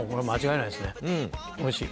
おいしい。